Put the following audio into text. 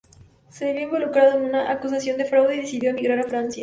Se vio involucrado en una acusación de fraude y decidió emigrar a Francia.